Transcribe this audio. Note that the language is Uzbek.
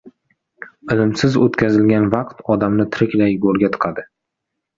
Ilmsiz o‘tkazilgan vaqt odamni tiriklay go‘rga tiqadi.